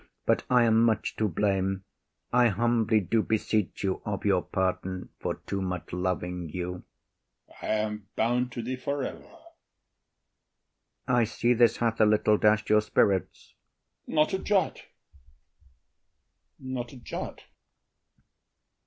But I am much to blame. I humbly do beseech you of your pardon For too much loving you. OTHELLO. I am bound to thee for ever. IAGO. I see this hath a little dash’d your spirits. OTHELLO. Not a jot, not a jot.